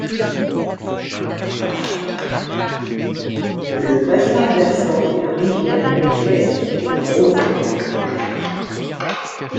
Le bassin versant de la rivière la Claysse est le Rhône.